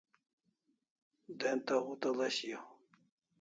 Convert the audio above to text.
De'nta hutala shiaw